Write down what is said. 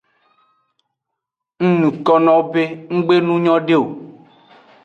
Ng nukonowo be nggbe nu nyode o.